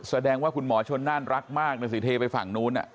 แสดงว่าคุณหมอชนน่านรักมากนะสิเทไปฝั่งนู้น